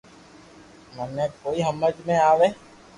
مني ڪوئي ھمج ۾ آوي